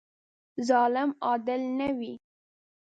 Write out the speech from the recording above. ظالم عادل نه وي.